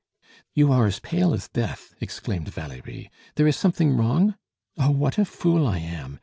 "You are as pale as death!" exclaimed Valerie. "There is something wrong? Oh, what a fool I am!